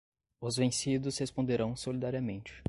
os vencidos responderão solidariamente